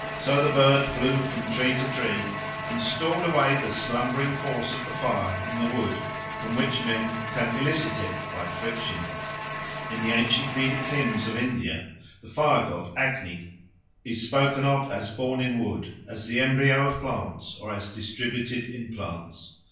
So the bird flew from tree to tree and stored away the slumbering force of the fire in the wood, from which men can elicit it by friction. In the ancient Vedic hymns of India the fire god Agni "is spoken of as born in wood, as the embryo of plants, or as distributed in plants.